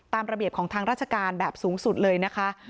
ระเบียบของทางราชการแบบสูงสุดเลยนะคะ